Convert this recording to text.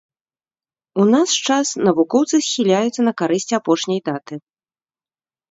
У наш час навукоўцы схіляюцца на карысць апошняй даты.